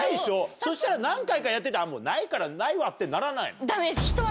そしたら何回かやっててないからないわってならないの？